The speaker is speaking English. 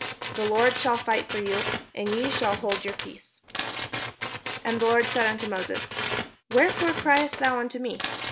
The Lord shall fight for you, and ye shall hold your peace." And the Lord said unto Moses: ''Wherefore criest thou unto me?